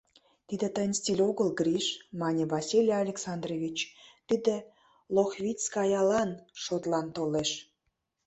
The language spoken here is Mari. — Тиде тыйын стиль огыл, Гриш, — мане Василий Александрович, — тиде Лохвицкаялан шотлан толеш.